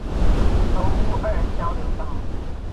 頭屋二交流道